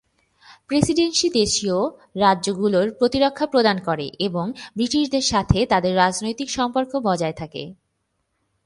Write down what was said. Presidency দেশীয় রাজ্যগুলোর প্রতিরক্ষা প্রদান করে এবং ব্রিটিশদের সাথে তাদের রাজনৈতিক সম্পর্ক বজায় থাকে।